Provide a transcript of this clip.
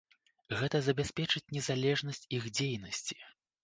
Гэта забяспечыць незалежнасць іх дзейнасці.